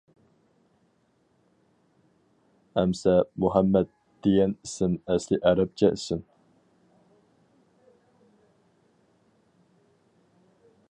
ئەمسە «مۇھەممەد» دېگەن ئىسىم ئەسلى ئەرەبچە ئىسىم.